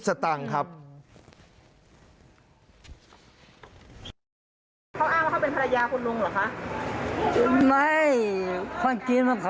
เขาอ้างว่าเขาเป็นภรรยาคุณลุงหรือคะ